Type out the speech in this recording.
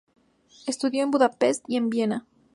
Estudió en Budapest y en Viena.